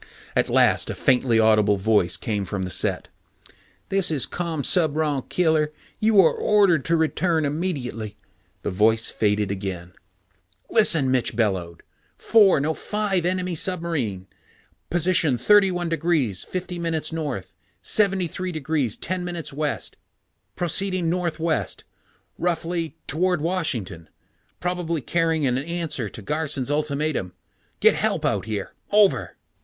At last a faintly audible voice came from the set. "... this is Commsubron Killer. You are ordered to return immediately...." The voice faded again. "Listen!" Mitch bellowed. "Four, no five enemy submarine position 31°50´ North, 73°10´ West, proceeding northwest roughly, toward Washington. Probably carrying an answer to Garson's ultimatum. Get help out here. Over."